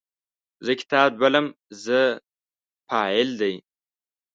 زه کتاب لولم – "زه" فاعل دی.